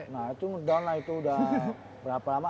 nah itu down lah itu udah berapa lama